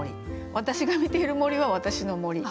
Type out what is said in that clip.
私が見ている森は私の森。